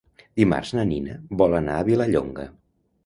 Dimarts na Nina vol anar a Vilallonga.